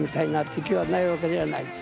いう気はないわけじゃあないです。